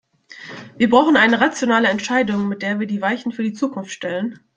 Wir brauchen eine rationelle Entscheidung, mit der wir die Weichen für die Zukunft stellen.